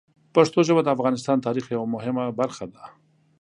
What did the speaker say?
پښتو ژبه د افغانستان د تاریخ یوه مهمه برخه ده.